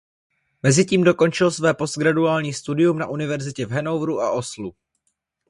Mezitím dokončil své postgraduální studium na univerzitě v Hannoveru a Oslu.